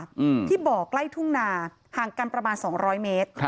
อืมที่บ่อใกล้ทุ่งนาห่างกันประมาณสองร้อยเมตรครับ